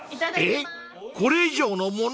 えっ！